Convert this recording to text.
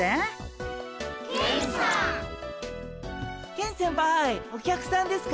ケン先輩お客さんですか？